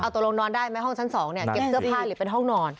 ตกลงนอนได้ไหมห้องชั้น๒เนี่ยเก็บเสื้อผ้าหรือเป็นห้องนอน